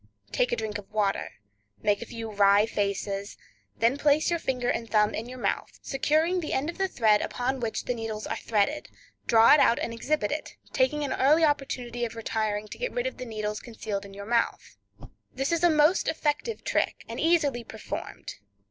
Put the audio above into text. Take a drink of water, make a few wry faces, then place your finger and thumb in your mouth, securing the end of the thread upon which the needles are threaded, draw it out and exhibit it, taking an early opportunity of retiring to get rid of the needles concealed in your mouth. This is a most effective trick, and easily performed.